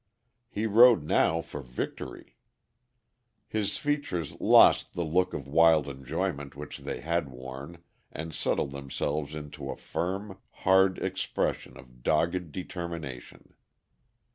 He rode now for victory. His features lost the look of wild enjoyment which they had worn, and settled themselves into a firm, hard expression of dogged determination.